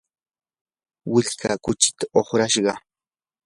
willkaa kuchinta uqrashqa.